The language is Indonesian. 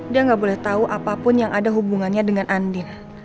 dia nggak boleh tahu apapun yang ada hubungannya dengan andin